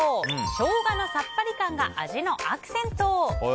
ショウガのさっぱり感が味のアクセント！